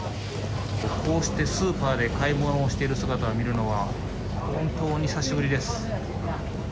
こうしてスーパーで買い物をしている姿を見るのは本当に久しぶりです。